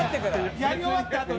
やり終わったあとに。